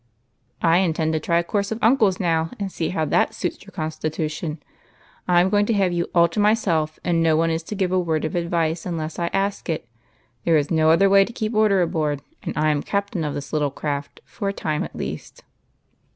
" I intend to try a course of uncles now, and see how that suits your constitution. I 'm going to have you UNCLES, 29 all to myself, and no one is to give a word of advice unless I ask it. There is no other way to keep order aboard, and I am cajitain of this little craft, for a time at least.